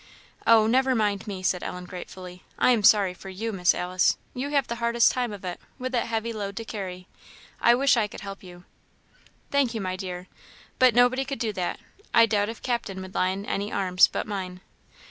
"Oh, never mind me," said Ellen, gratefully; "I am sorry for you, Miss Alice; you have the hardest time of it, with that heavy load to carry; I wish I could help you." "Thank you, my dear, but nobody could do that; I doubt if Captain would lie in any arms but mine."